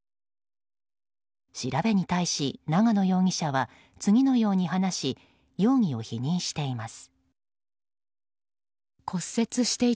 調べに対し、長野容疑者は次のように話し容疑を否認しています。